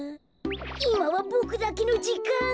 いまはボクだけのじかん。